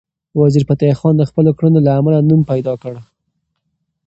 وزیرفتح خان د خپلو کړنو له امله نوم پیدا کړ.